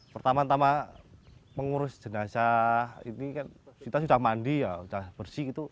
pertama tama mengurus jenazah ini kan kita sudah mandi ya sudah bersih gitu